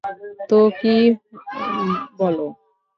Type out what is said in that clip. তো কী বলো?